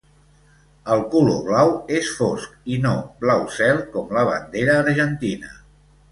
El color blau és fosc i no blau cel com la bandera argentina.